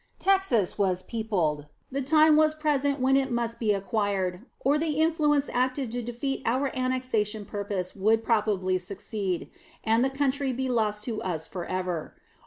Texas was peopled, the time was present when it must be acquired, or the influences active to defeat our annexation purpose would probably succeed, and the country be lost to us for ever.